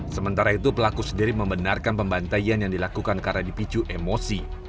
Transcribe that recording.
sementara itu pelaku sendiri membenarkan pembantaian yang dilakukan karena dipicu emosi